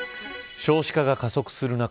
少子化が加速する中